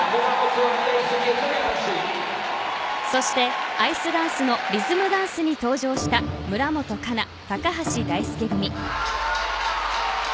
そしてアイスダンスのリズムダンスに登場した村元哉中、高橋大輔組。